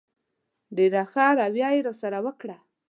ډېره ښه رویه یې راسره وکړه.